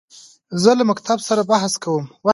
زه له ملګرو سره بحث کوم.